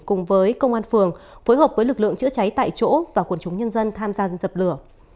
cùng với công an phường phối hợp với lực lượng chữa cháy tại chỗ và quần chúng nhân dân tham gia dập lửa